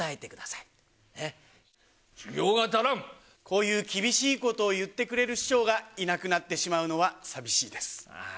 こういう厳しいことを言ってくれる師匠がいなくなってしまうのは寂しいです。